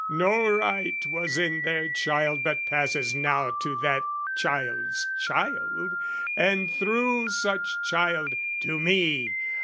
"No right was in their child but passes now "To that child's child and through such child to me.